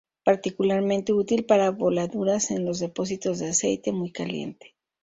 Particularmente útil para voladuras en los depósitos de aceite muy caliente.